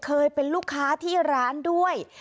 เคยเป็นลูกค้าที่ร้านด้วย